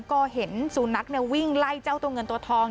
ก็เห็นสุนัขวิ่งไล่เจ้าตัวเงินตัวทอง